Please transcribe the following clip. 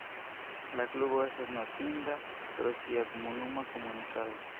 La klubo estas notinda pro sia komunuma komunikado.